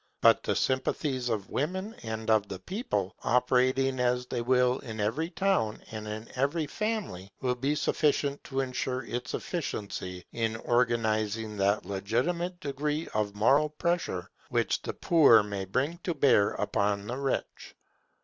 But the sympathies of women and of the people operating as they will in every town and in every family, will be sufficient to ensure its efficacy in organizing that legitimate degree of moral pressure which the poor may bring to bear upon the rich.